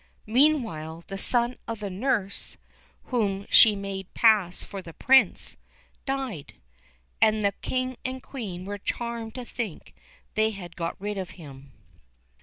Meanwhile the son of the nurse, whom she made pass for the Prince, died, and the King and Queen were charmed to think they had got rid of him.